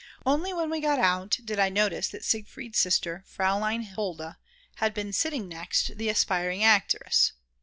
Only when we got out aid I notice that Siegfried's sister, Fraulein Hulda, had been sitting next the aspiring actress.